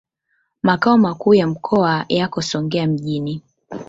Makao makuu ya mkoa yako Songea mjini.